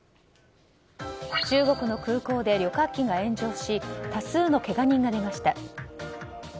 中国の空港で旅客機が炎上し多数のけが人が出ました。